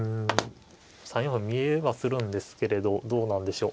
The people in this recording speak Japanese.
３四歩は見えはするんですけれどどうなんでしょう。